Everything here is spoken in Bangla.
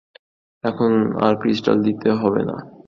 এখন আর ক্রিস্টাল দিয়ে হবে না।